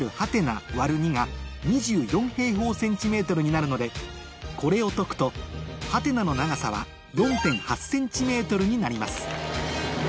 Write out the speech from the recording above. ÷２が２４ｃｍになるのでこれを解くと「？」の長さは４．８ｃｍになります